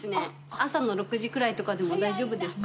朝の６時くらいとかでも大丈夫ですか？